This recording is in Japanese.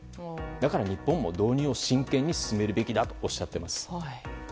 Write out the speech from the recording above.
だから、日本も導入を真剣に進めるべきだとおっしゃっています。